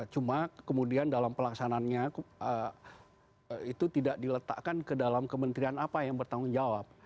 cuma kemudian dalam pelaksanaannya itu tidak diletakkan ke dalam kementerian apa yang bertanggung jawab